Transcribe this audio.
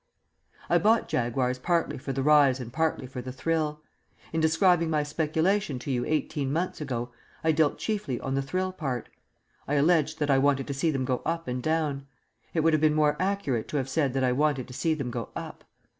I bought Jaguars partly for the rise and partly for the thrill. In describing my speculation to you eighteen months ago I dwelt chiefly on the thrill part; I alleged that I wanted to see them go up and down. It would have been more accurate to have said that I wanted to see them go up.